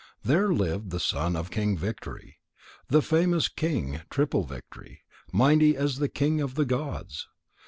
There lived the son of King Victory, the famous King Triple victory, mighty as the king of the gods.